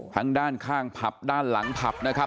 ทางด้านข้างผับด้านหลังผับนะครับ